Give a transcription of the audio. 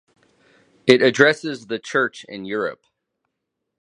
It addresses the Church in Europe.